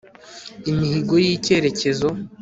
imihigo y'icyerekezo